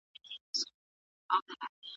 جهاني قاصد را وړي په سرو سترګو څو کیسې دي